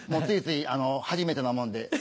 ついつい初めてなもんで。